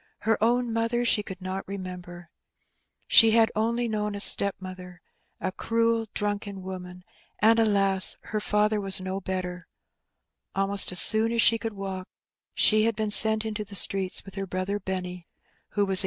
Her own mother she could not remember. She had only known a stepmother — a cruel, drunken woman; and, alas! her father was no better. Almost as soon as she could walk she had been senit into^ the^ streets with her brother Benny, who was a * k » Brother and Sister.